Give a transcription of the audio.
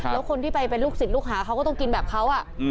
แล้วคนที่ไปเป็นลูกศิษย์ลูกหาเขาก็ต้องกินแบบเขา